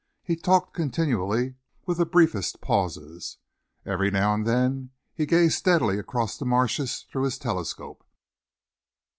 He talked continually, with the briefest pauses. Every now and then he gazed steadily across the marshes through his telescope.